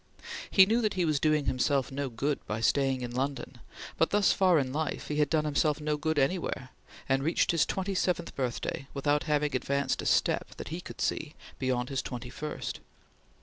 He knew that he was doing himself no good by staying in London, but thus far in life he had done himself no good anywhere, and reached his twenty seventh birthday without having advanced a step, that he could see, beyond his twenty first.